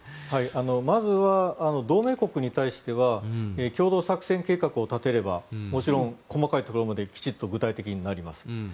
まずは同盟国に対しては共同作戦計画を立てればもちろん細かいところまできちんと具体的になります。